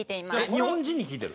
日本人に聞いてる？